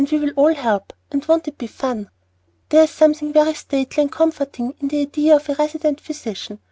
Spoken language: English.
We will all help, and won't it be fun? "There is something very stately and comforting in the idea of a 'resident physician.'